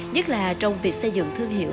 nhất là trong việc xây dựng thương hiệu